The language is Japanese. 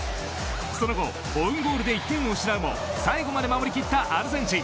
その後オウンゴールで１点を失うも最後まで守り切ったアルゼンチン。